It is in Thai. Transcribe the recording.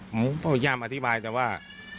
ผมก็พยายามอธิบายแต่ว่า